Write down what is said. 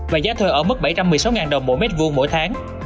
và giá thuê ở mức bảy trăm một mươi sáu đồng mỗi m hai mỗi tháng